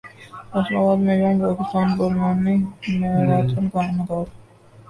فیصل ابادمیںیوم پاکستان پر mini marathon کا انعقاد